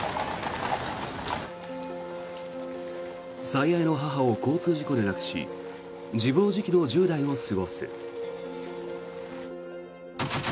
最愛の母を交通事故で亡くし自暴自棄の１０代を過ごす。